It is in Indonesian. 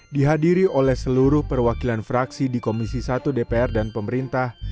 dihadiri oleh seluruh perwakilan fraksi di komisi satu dpr dan pemerintah